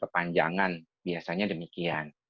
berkepanjangan biasanya demikian